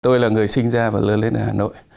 tôi là người sinh ra và lớn lên ở hà nội